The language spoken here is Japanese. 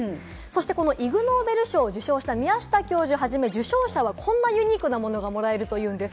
このイグ・ノーベル賞を受賞した宮下教授をはじめ、受賞者はこんなユニークなものがもらえるというんです。